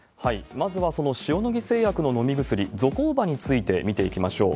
まずはその塩野義製薬の飲み薬、ゾコーバについて見ていきましょう。